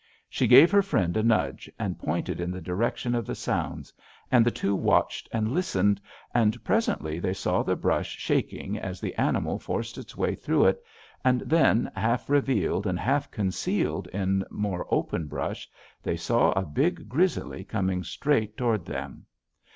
She gave her friend a nudge, and pointed in the direction of the sounds, and the two watched and listened. And presently they saw the brush shaking as the animal forced its way through it, and then, half revealed and half concealed in more open brush, they saw a big grizzly coming straight toward them!